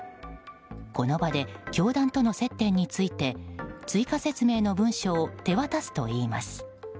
この場で、教団との接点について追加説明の文書を手渡すといいます。